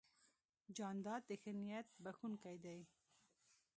جانداد د ښه نیت بښونکی دی.